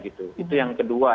itu yang kedua